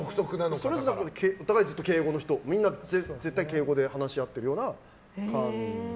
お互い敬語、みんな絶対敬語で話し合ってるような感じだし。